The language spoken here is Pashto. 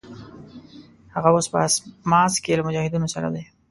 هغه اوس په اسماس کې له مجاهدینو سره دی.